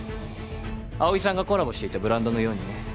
葵さんがコラボしていたブランドのようにね。